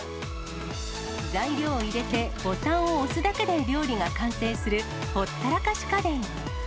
材料を入れて、ボタンを押すだけで料理が完成する、ほったらかし家電。